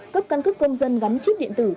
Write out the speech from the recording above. cấp căn cức công dân gắn chip điện tử